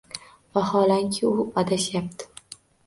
Vaholanki, u adashyapti